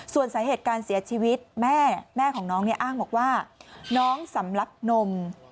ส่วนสาเหตุการเสียชีวิตแม่ของน้องอ้างว่าน้องสำรับนม